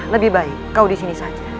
lebih baik kau disini saja